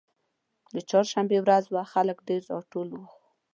د چهارشنبې ورځ وه خلک ډېر راټول وو.